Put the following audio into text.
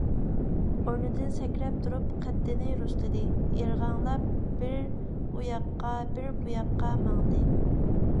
ئورنىدىن سەكرەپ تۇرۇپ، قەددىنى رۇسلىدى، ئىرغاڭلاپ بىر ئۇ ياققا - بىر بۇ ياققا ماڭدى.